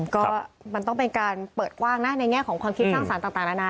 ก็มันต้องเป็นการเปิดกว้างนะในแง่ของความคิดสร้างสรรค์ต่างนานา